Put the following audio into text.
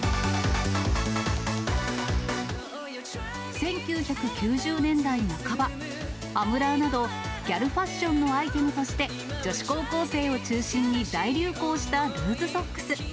１９９０年代半ば、アムラーなどギャルファッションのアイテムとして、女子高校生を中心に大流行したルーズソックス。